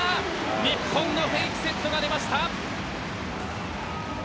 日本のフェイクセットが出ました。